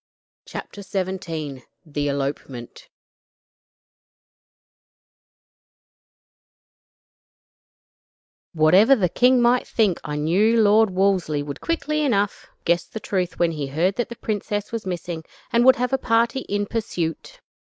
CHAPTER XVII The Elopement Whatever the king might think, I knew Lord Wolsey would quickly enough guess the truth when he heard that the princess was missing, and would have a party in pursuit.